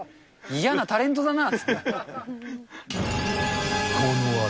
嫌なタレントだな